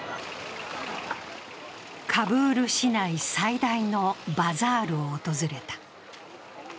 カブール市内最大のバザールを訪れた。